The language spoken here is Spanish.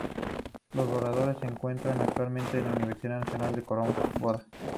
Los borradores se encuentran actualmente en la Universidad Nacional de Córdoba.